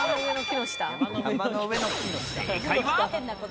正解は。